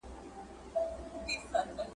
پر دې باندي د ګوني تروروينه په جوش کي راځي